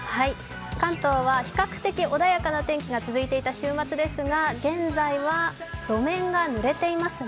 関東は比較的穏やかな天気が続いていた週末ですが現在は路面がぬれていますね。